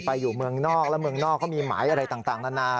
อยู่เมืองนอกแล้วเมืองนอกเขามีหมายอะไรต่างนานา